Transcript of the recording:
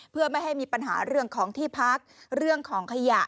เพื่อไม่ให้มีปัญหาเรื่องของที่พักเรื่องของขยะ